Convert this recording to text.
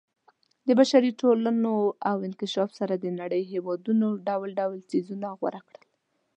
د بشري ټولنو له انکشاف سره د نړۍ هېوادونو ډول ډول څیزونه غوره کړل.